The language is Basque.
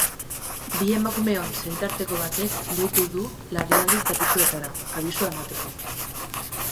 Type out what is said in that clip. Bi emakumeon senitarteko batek deitu du larrialdi zerbitzuetara, abisua emateko.